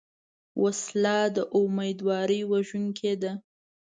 وسله د امیدواري وژونکې ده